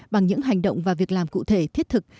bằng những hành động và việc làm cụ thể thiết thực